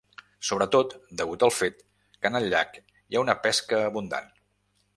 Sobretot degut al fet que en el llac hi ha una pesca abundant.